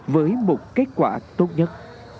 với một kết quả tốt nhất